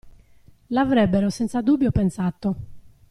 L'avrebbero senza dubbio pensato!